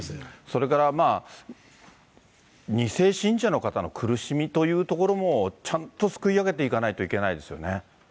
それから２世信者の方の苦しみというところも、ちゃんとすくい上げていかないといけないですよね。